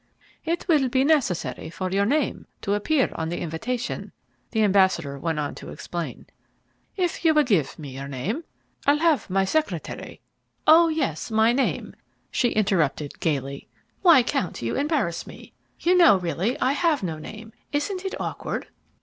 "It will be necessary for your name to appear on the invitation," the ambassador went on to explain. "If you will give me your name I'll have my secretary " "Oh, yes, my name," she interrupted gaily. "Why, Count, you embarrass me. You know, really, I have no name. Isn't it awkward?"